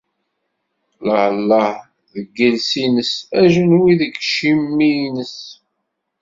Lleh! Lleh! deg yiles-ines, ajenwi deg yiciwi-ines.